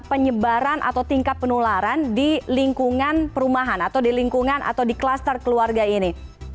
penyebaran atau tingkat penularan di lingkungan perumahan atau di lingkungan atau di kluster keluarga ini